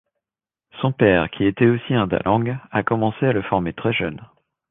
Son père, qui était aussi un dalang, a commencé à le former très jeune.